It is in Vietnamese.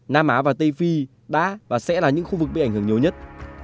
nam á và tây phi đã và sẽ là những khu vực bị ảnh hưởng nhiều nhất